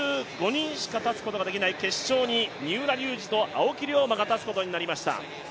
世界の１５人しか立つことができない決勝に三浦龍司と青木涼真が立つことになりました。